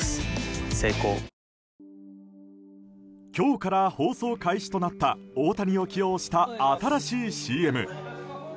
今日から放送開始となった大谷を起用した新しいＣＭ。